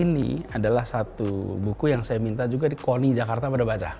ini adalah satu buku yang saya minta juga di koni jakarta pada baca